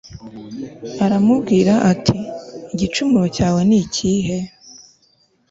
aramubwira ati “igicumuro cyanjye ni ikihe?